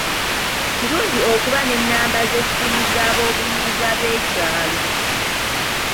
Kirungi okuba n'ennamba z'essimu z'aboobuyinza b'ekyalo.